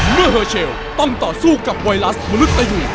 เมื่อเฮอร์เชลต้องต่อสู้กับไวรัสมนุษยู